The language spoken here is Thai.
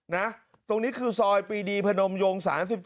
ตรงนี้คือซอยปีดีพนมยง๓๗